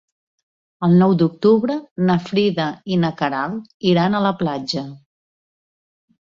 El nou d'octubre na Frida i na Queralt iran a la platja.